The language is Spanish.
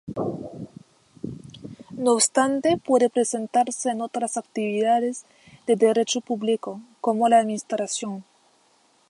No obstante, puede presentarse en otras actividades de Derecho público, como la administración.